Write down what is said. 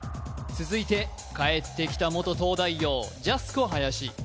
続いて帰ってきた元東大王ジャスコ林